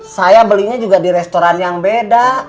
saya belinya juga di restoran yang beda